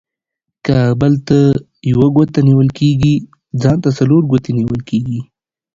که بل ته يوه گوته نيول کېږي ، ځان ته څلور گوتي نيول کېږي.